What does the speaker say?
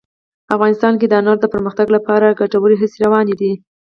افغانستان کې د انارو د پرمختګ لپاره ګټورې هڅې روانې دي.